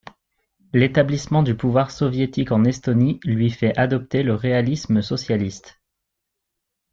L'établissement du pouvoir soviétique en Estonie lui fait adopter le réalisme socialiste.